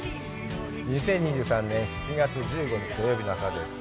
２０２３年７月１５日、土曜日の朝です。